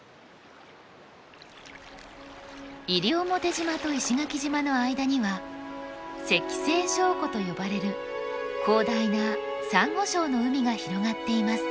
西表島と石垣島の間には石西礁湖と呼ばれる広大なサンゴ礁の海が広がっています。